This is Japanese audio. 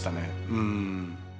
うん。